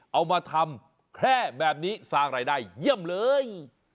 เอามาทำแคร่แบบนี้สร้างรายได้เยี่ยมเลย